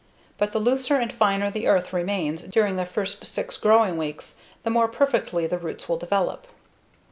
But the looser and finer the earth remains during their first six growing weeks, the more perfectly the roots will develop.